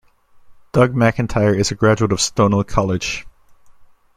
Doug McIntyre is a graduate of Stonehill College.